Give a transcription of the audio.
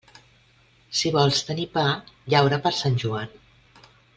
Si vols tenir pa, llaura per Sant Joan.